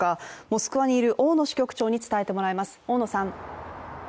モスクワにいる大野支局長に伝えてもらいます。